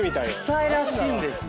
「臭いらしいんですよ」